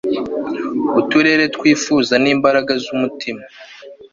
Uturere twifuza nimbaraga zumutima